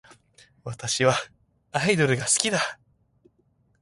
私はアイドルが好きだ